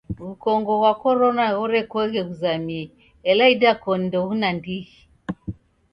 W'ukongo ghwa korona ghorekoghe ghuzamie ela idakoni ndoghune ndighi.